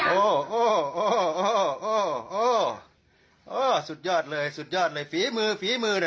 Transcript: โอ้โฮโอ้โฮโอ้โฮโอ้โฮสุดยอดเลยสุดยอดเลยฝีมือฝีมือน่ะ